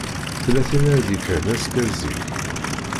Tella tin ara d-yekkren azekka zik?